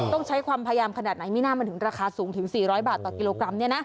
ต้องใช้ความพยายามขนาดไหนไม่น่ามันถึงราคาสูงถึง๔๐๐บาทต่อกิโลกรัม